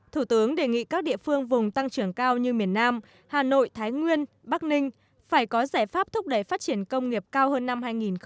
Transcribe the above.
thủ tướng đề nghị các địa phương vùng tăng trưởng cao như miền nam hà nội thái nguyên bắc ninh phải có giải pháp thúc đẩy phát triển công nghiệp cao hơn năm hai nghìn hai mươi